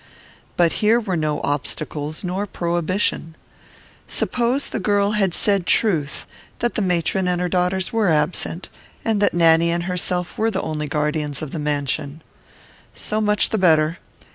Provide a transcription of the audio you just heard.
But here were no obstacles nor prohibition. Suppose the girl had said truth, that the matron and her daughters were absent, and that Nanny and herself were the only guardians of the mansion. So much the better.